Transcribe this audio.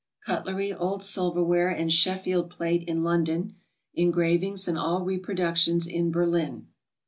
Cutlery, old silverware, and Sheffield plate, in London. Engravings and all reproductions, in Berlin.